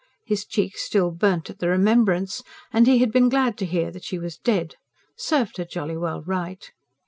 His cheeks still burnt at the remembrance; and he had been glad to hear that she was dead: served her jolly well right!